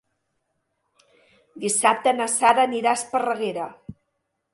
Dissabte na Sara anirà a Esparreguera.